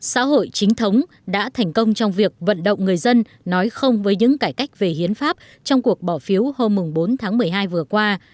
xã hội chính thống đã thành công trong việc vận động người dân nói không với những cải cách về hiến pháp trong cuộc bỏ phiếu hôm bốn tháng một mươi hai vừa qua